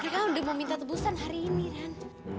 ya udah mau minta tebusan hari ini ran